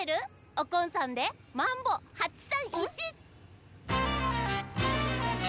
おこんさんで「マンボ８３１」！